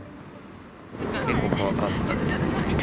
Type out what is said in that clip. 結構怖かったですね。